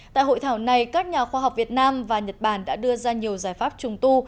tại hội thảo này các nhà khoa học việt nam và nhật bản đã đưa ra nhiều giải pháp trùng tu